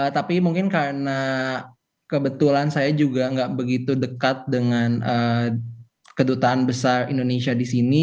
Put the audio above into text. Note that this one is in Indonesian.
tapi mungkin karena kebetulan saya juga nggak begitu dekat dengan kedutaan besar indonesia di sini